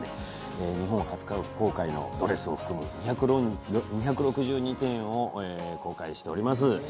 日本初公開のドレスを含む２６２点を公開しております。